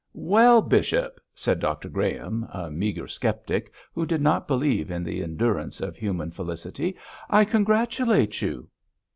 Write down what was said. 'Well, bishop!' said Dr Graham, a meagre sceptic, who did not believe in the endurance of human felicity, 'I congratulate you.'